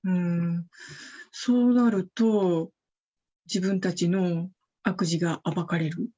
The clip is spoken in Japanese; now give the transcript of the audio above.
そうなると、自分たちの悪事が暴かれる。